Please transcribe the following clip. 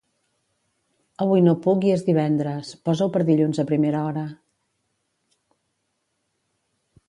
Avui no puc i és divendres, posa-ho per dilluns a primera hora.